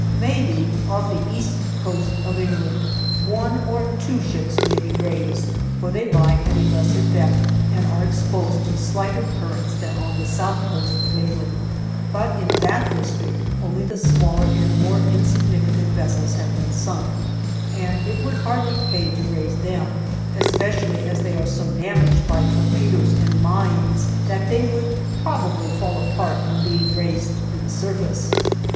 Maybe off the east coast of England one or two ships may be raised, for they lie at a lesser depth and are exposed to slighter currents than on the south coast of England, but in that district only the smaller and more insignificant vessels have been sunk, and it would hardly pay to raise them, especially as they are so damaged by torpedoes and mines that they would probably fall apart on being raised to the surface.